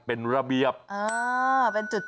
เป็นระเบียบเออเป็นจุดไป